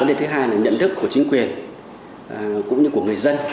vấn đề thứ hai là nhận thức của chính quyền cũng như của người dân